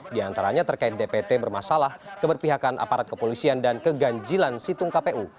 di antaranya terkait dpt bermasalah keberpihakan aparat kepolisian dan keganjilan situng kpu